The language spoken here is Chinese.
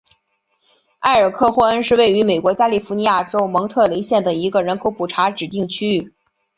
埃尔克霍恩是位于美国加利福尼亚州蒙特雷县的一个人口普查指定地区。